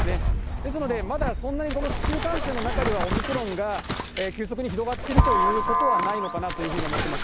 ですので、まだそんなに、市中感染の中ではオミクロンが急速に広がっているということはないのかなというふうに思っています。